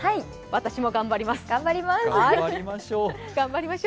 私も頑張ります。